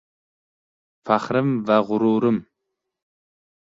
Faxrim va g‘ururim